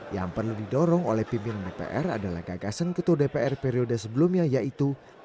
yang perlu didorong oleh pimpinan dpr adalah gagasan ketua dpr periode sebelumnya yaitu